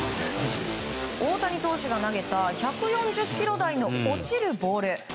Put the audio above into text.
大谷投手が投げた１４０キロ台の落ちるボール。